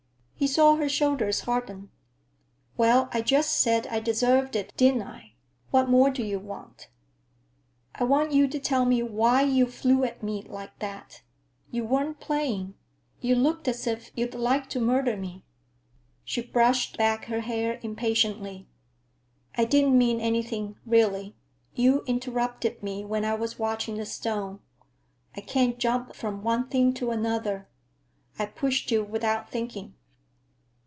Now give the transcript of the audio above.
He saw her shoulders harden. "Well, I just said I deserved it, didn't I? What more do you want?" "I want you to tell me why you flew at me like that! You weren't playing; you looked as if you'd like to murder me." She brushed back her hair impatiently. "I didn't mean anything, really. You interrupted me when I was watching the stone. I can't jump from one thing to another. I pushed you without thinking."